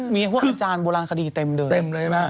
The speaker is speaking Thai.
มีพวกอาจารย์โบราณคดีเต็มเดิน